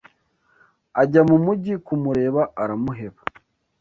Ajya mu mugi kumureba aramuheba